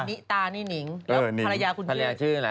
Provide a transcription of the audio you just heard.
ผรยาชื่อชื่อนั่นแหละ